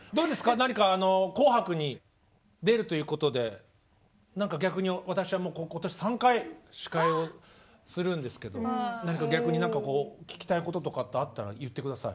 何か「紅白」に出るということで何か逆に私はもう今年３回司会をするんですけど逆に何かこう聞きたいこととかあったら言って下さい。